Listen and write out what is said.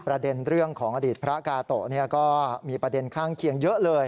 ประเด็นเรื่องของอดีตพระกาโตะก็มีประเด็นข้างเคียงเยอะเลย